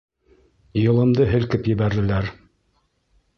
Йылымды һелкеп ебәрҙеләр.